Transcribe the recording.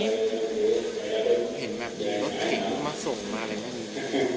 เห็นแบบรถเก๋งมาส่งมาอะไรพวกนี้